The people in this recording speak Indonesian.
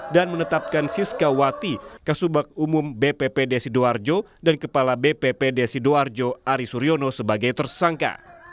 menetapkan siskawati kasubak umum bppd sidoarjo dan kepala bppd sidoarjo ari suryono sebagai tersangka